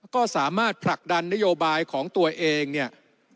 ก็สามารถผลักดันนโยบายของตัวเองเนี่ย